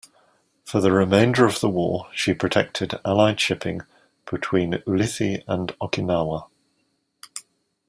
For the remainder of the war, she protected Allied shipping between Ulithi and Okinawa.